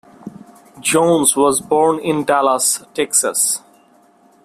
Jones was born in Dallas, Texas.